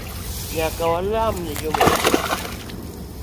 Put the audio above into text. Nyaka walem ne jomatuo